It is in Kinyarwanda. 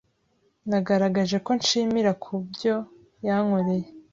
Nagaragaje ko nshimira kubyo yankoreye.